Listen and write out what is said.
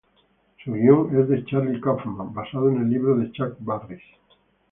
Su guion es de Charlie Kaufman basado en el libro de Chuck Barris.